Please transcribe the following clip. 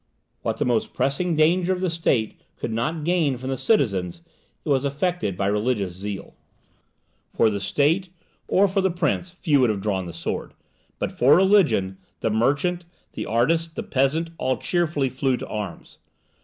What the most pressing danger of the state could not gain from the citizens, was effected by religious zeal. For the state, or for the prince, few would have drawn the sword; but for religion, the merchant, the artist, the peasant, all cheerfully flew to arms.